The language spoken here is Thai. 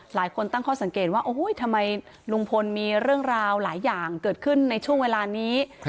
หลายคนตั้งข้อสังเกตว่าโอ้โหทำไมลุงพลมีเรื่องราวหลายอย่างเกิดขึ้นในช่วงเวลานี้